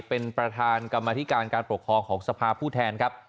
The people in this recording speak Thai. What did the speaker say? เป็นประธานกรรมธิการการปกครองของสภาผู้แทนครับ